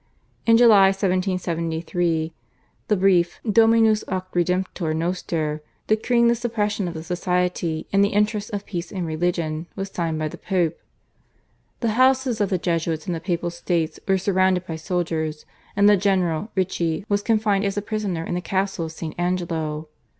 In July 1773 the Brief /Dominus ac Redemptor noster/, decreeing the suppression of the Society in the interests of peace and religion, was signed by the Pope. The houses of the Jesuits in the Papal States were surrounded by soldiers, and the general, Ricci, was confined as a prisoner in the castle of St. Angelo.